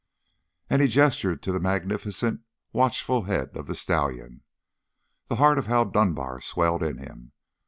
And he gestured to the magnificent, watchful head of the stallion. The heart of Hal Dunbar swelled in him.